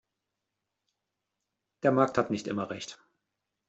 Der Markt hat nicht immer Recht.